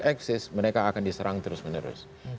eksis mereka akan diserang terus menerus